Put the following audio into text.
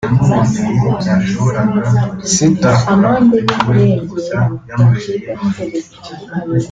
Seattle